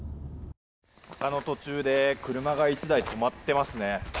途中で車が１台止まっていますね。